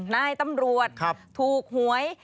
นายตำรวจถูกหวย